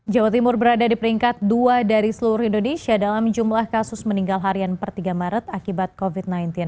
jawa timur berada di peringkat dua dari seluruh indonesia dalam jumlah kasus meninggal harian per tiga maret akibat covid sembilan belas